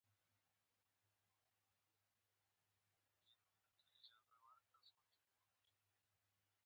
ښاري ترافیک باید ښه مدیریت شي تر څو ښار نظم ولري.